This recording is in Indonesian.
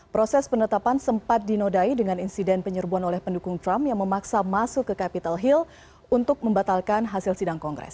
proses penetapan sempat dinodai dengan insiden penyerbuan oleh pendukung trump yang memaksa masuk ke capital hill untuk membatalkan hasil sidang kongres